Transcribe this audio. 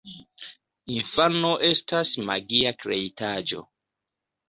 Infano estas magia kreitaĵo.